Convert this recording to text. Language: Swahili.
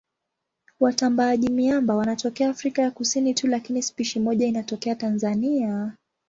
Watambaaji-miamba wanatokea Afrika ya Kusini tu lakini spishi moja inatokea Tanzania.